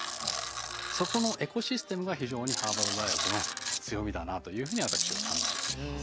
そこのエコシステムが非常にハーバード大学の強みだなというふうに私は考えています。